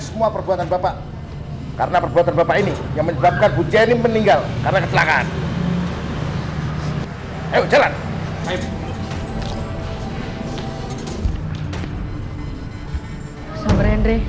semua perbuatan bapak karena perbuatan bapak ini yang menyebabkan bujani meninggal karena